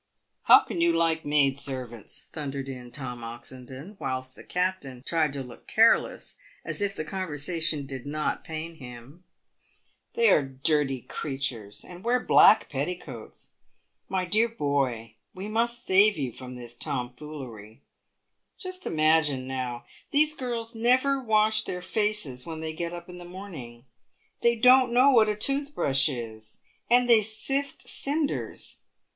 " How can you like maid servants," thundered in Tom Oxendon, whilst the captain tried to look careless, as if the conversation did not pain him. " They are dirty creatures, and wear black petticoats. My dear boy, we must save you from this tomfoolery. Just imagine, now : these girls never wash their faces when they get up in the morn ing. They don't know what a toothbrush is, and they sift cinders.